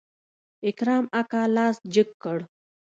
اکرم اکا لاس جګ کړ.